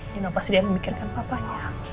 jangan pasti dia memikirkan apa apanya